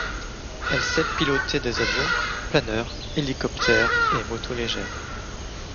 Elle sait piloter des avions, planeurs, hélicoptères et motos légères.